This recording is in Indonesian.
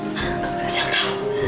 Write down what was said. kau berada di